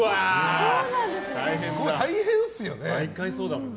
大変ですよね。